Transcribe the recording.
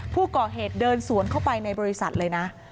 ผู้ก่อเหตุเดินสวนเข้าไปในบริษัทเลยนะ